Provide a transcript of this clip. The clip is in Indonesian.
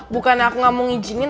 bukan aku gak mau ngijinin